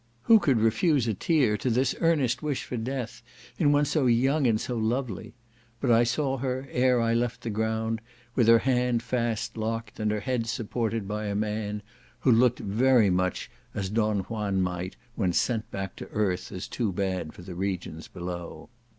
Who could refuse a tear to this earnest wish for death in one so young and so lovely? But I saw her, ere I left the ground, with her hand fast locked, and her head supported by a man who looked very much as Don Juan might, when sent back to earth as too bad for the regions below.